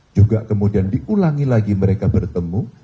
juga kemudian diulangi lagi mereka bertemu